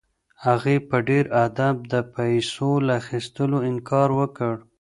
هغې په ډېر ادب د پیسو له اخیستلو انکار وکړ.